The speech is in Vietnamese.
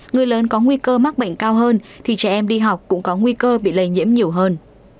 người lớn có nguy cơ mắc bệnh cao hơn thì trẻ em đi học cũng có nguy cơ bị lây nhiễm nhiều hơn